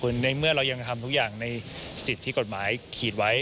คือในเมื่อเรายังทำทุกอย่างในสิทธิ์ที่กฎหมายขีดไว้